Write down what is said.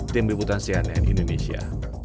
tim biputan cnn indonesia